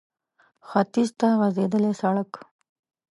ختيځ ته غځېدلی سړک